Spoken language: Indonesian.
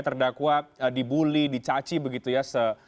terdakwa dibully dicaci begitu ya